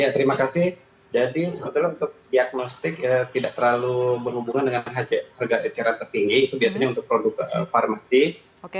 ya terima kasih jadi sebetulnya untuk diagnostik tidak terlalu berhubungan dengan harga eceran tertinggi itu biasanya untuk produk farmatik